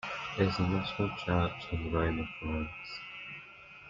It is the national church in Rome of France.